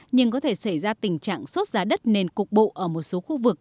nhưng có thể xảy ra tình trạng sốt giá đất nền cục bộ ở một số khu vực